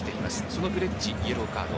そのフレッジにイエローカード。